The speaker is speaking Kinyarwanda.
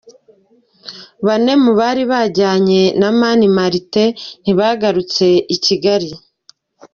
Bane mu bari bajyanye na Mani Martin ntibagarutse i Kigali.